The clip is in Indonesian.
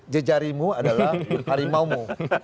jejari mu adalah harimau mu